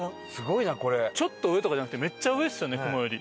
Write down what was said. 水田：ちょっと上とかじゃなくてめっちゃ上ですよね、雲より。